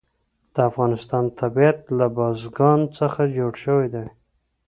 د افغانستان طبیعت له بزګان څخه جوړ شوی دی.